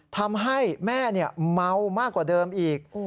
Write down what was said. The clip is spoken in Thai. ทำให้แม่เมามากกว่าเดิมอีก